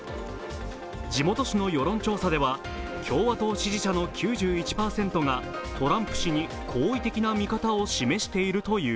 地元紙の世論調査では共和党支持者の９１％がトランプ氏に好意的な見方を示しているという。